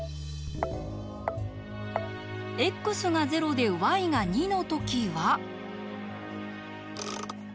ｘが０でｙが２の時は。